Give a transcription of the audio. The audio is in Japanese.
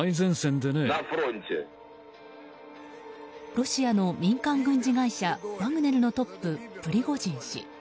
ロシアの民間軍事会社ワグネルのトップ、プリゴジン氏。